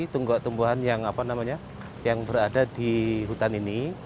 tunggak tumbuhan yang berada di hutan ini